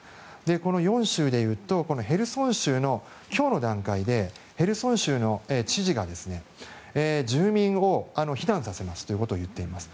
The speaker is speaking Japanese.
この４州でいうとヘルソン州の今日の段階でヘルソン州の知事が住民を避難させますということを言っています。